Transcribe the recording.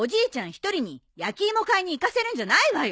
一人に焼き芋買いに行かせるんじゃないわよ。